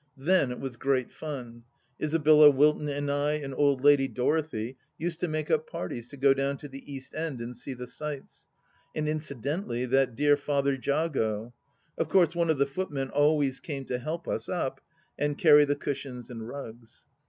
Then it was great fun. Isabella Wilton and I and old Lady Dorothy used to make up parties to go down to the East End and see the sights, and incidentally that dear Father Jago. Of course one of the footmen always came to help us up and carry the cushions and rugs.